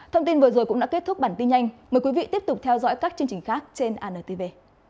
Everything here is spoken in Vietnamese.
thông tin vừa rồi cũng đã kết thúc bản tin nhanh mời quý vị tiếp tục theo dõi các chương trình khác trên antv